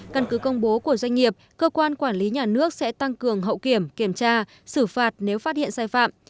căn cứ công bố của doanh nghiệp cơ quan quản lý nhà nước sẽ tăng cường hậu kiểm kiểm tra xử phạt nếu phát hiện sai phạm